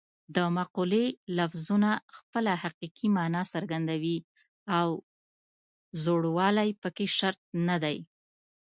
د مقولې لفظونه خپله حقیقي مانا څرګندوي او زوړوالی پکې شرط نه دی